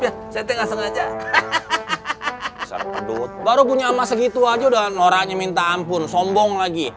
ya saya teh gak sengaja hehehe baru punya ama segitu aja udah ngeraknya minta ampun sombong lagi